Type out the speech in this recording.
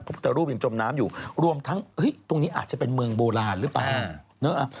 พุทธรูปยังจมน้ำอยู่รวมทั้งตรงนี้อาจจะเป็นเมืองโบราณหรือเปล่า